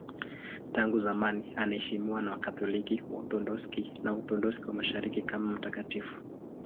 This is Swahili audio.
Tangu zamani anaheshimiwa na Wakatoliki, Waorthodoksi na Waorthodoksi wa Mashariki kama mtakatifu.